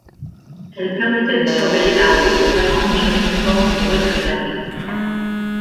Elle permettait de surveiller la route menant au château fort de Wesenberg.